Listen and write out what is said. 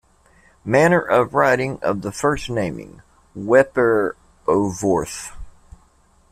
Manner of writing of the first naming: "Weperevorthe".